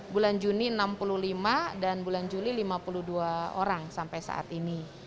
bulan juni enam puluh lima dan bulan juli lima puluh dua orang sampai saat ini